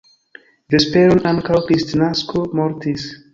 Vesperon antaŭ Kristnasko mortis.